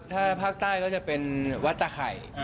ถ้าภาคใต้ก็จะเป็นวัดตาไข่